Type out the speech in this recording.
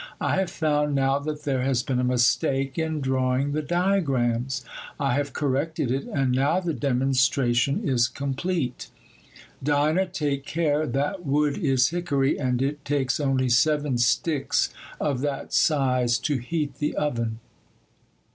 'I have found now that there has been a mistake in drawing the diagrams. I have corrected it, and now the demonstration is complete.—Dinah, take care, that wood is hickory, and it takes only seven sticks of that size to heat the oven.